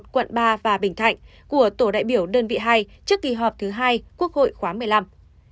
quận ba và bình thạnh của tổ đại biểu đơn vị hai trước kỳ họp thứ hai quốc hội khóa một mươi năm